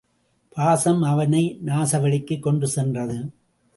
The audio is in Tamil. பாசம் அவனை நாசவழிக்குக் கொண்டு சென்றது.